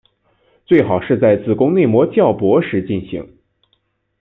最好是在子宫内膜较薄时进行。